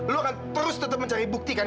lo akan terus tetap mencari bukti kan